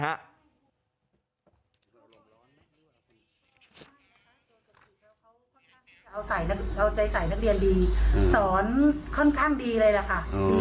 เอาใจใส่นักเรียนดีสอนค่อนข้างดีเลยค่ะ